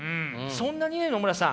そんなにね野村さん